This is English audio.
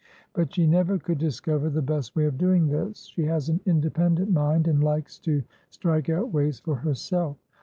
But she never could discover the best way of doing this. She has an independent mind, and likes to strike out ways for herself.